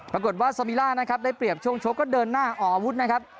ปรากฏว่าซามิล่านะครับได้เปรียบช่วงชกก็เดินหน้าออกอาวุธนะครับ